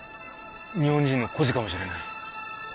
日本人の孤児かもしれない